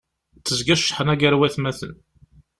Tezga cceḥna gar watmaten.